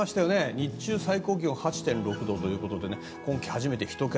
日中、最高気温８．６度ということで今季初めて１桁。